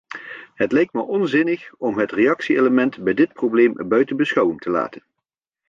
Het lijkt mij onzinnig om het reactie-element bij dit probleem buiten beschouwing te laten.